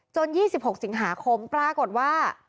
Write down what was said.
๒๖สิงหาคมปรากฏว่า